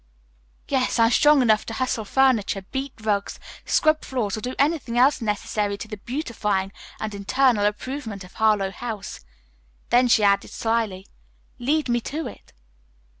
"Yes, I'm strong enough to hustle furniture, beat rugs, scrub floors, or do anything else necessary to the beautifying and eternal improvement of Harlowe House." Then she added slyly, "Lead me to it."